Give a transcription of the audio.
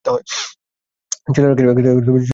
ছেলেরা কি কম পড়ে গেছে?